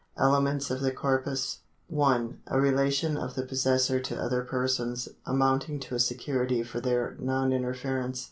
Elements of the corpus : 1. A relation of the possessor to other persons, amounting to a security for their non interference.